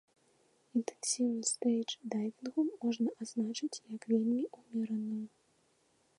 Інтэнсіўнасць стэйдждайвінгу можна азначыць як вельмі умераную.